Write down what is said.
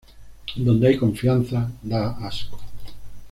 Donde hay confianza, da asco